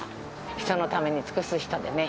人のために尽くす人でね。